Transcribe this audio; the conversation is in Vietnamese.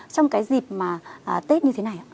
trong cái dịp mà tết như thế này